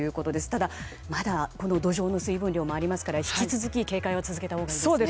ただ、まだこの土壌の水分量もありますから引き続き警戒を続けたほうがいいですね。